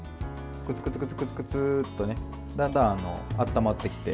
グツグツグツグツッとねだんだん温まってきて。